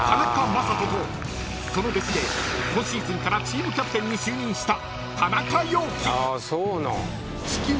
［その弟子で今シーズンからチームキャプテンに就任した］